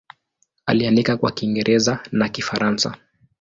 Aliandika kwa Kiingereza na Kifaransa.